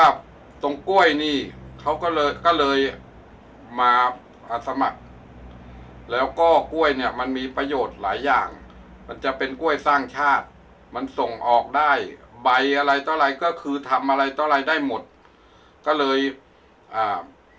ไม่ได้คิดมาเที่ยวนะครับผมไม่ได้คิดมาเที่ยวนะครับผมไม่ได้คิดมาเที่ยวนะครับผมไม่ได้คิดมาเที่ยวนะครับผมไม่ได้คิดมาเที่ยวนะครับผมไม่ได้คิดมาเที่ยวนะครับผมไม่ได้คิดมาเที่ยวนะครับผมไม่ได้คิดมาเที่ยวนะครับผมไม่ได้คิดมาเที่ยวนะครับผมไม่ได้คิดมาเที่ยวนะครับผมไม่ได้คิดมาเที่ยวนะครับผมไม่ได้คิดมาเที่ยวนะครับผมไม่ได้ค